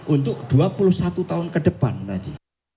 untuk dua puluh satu tahun ke depan tadi